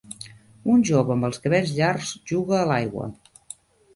Un jove amb els cabells llargs juga a l'aigua